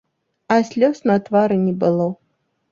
А слёз на твары не было.